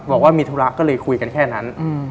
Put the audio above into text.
บอกว่ามีธุระก็เลยคุยกันแค่นั้น